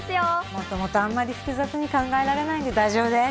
もともとあまり複雑に考えられないので大丈夫です。